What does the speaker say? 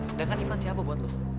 sedangkan ivan siapa buat lo